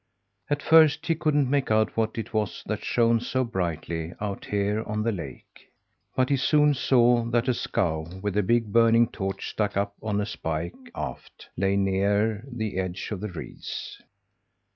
At first he couldn't make out what it was that shone so brightly out here on the lake; but he soon saw that a scow with a big burning torch stuck up on a spike, aft, lay near the edge of the reeds.